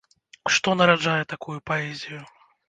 Што нараджае такую паэзію?